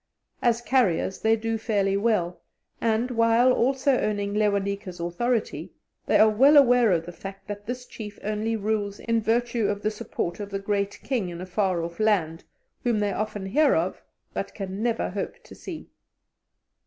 As carriers they do fairly well, and, while also owning Lewanika's authority, they are well aware of the fact that this chief only rules in virtue of the support of the "Great King" in a far off land, whom they often hear of, but can never hope to see.